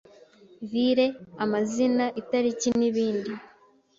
Vile ... amazina ...,itariki nibindi